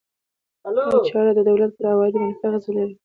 دا چاره د دولت پر عوایدو منفي اغېز لري.